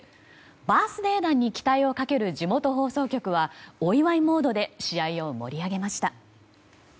バースデー弾に期待をかける地元放送局はお祝いモードで試合を盛り上げました。